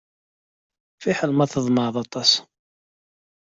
Fiḥel ma tḍemɛeḍ aṭas.